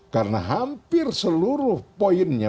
karena hampir seluruh poinnya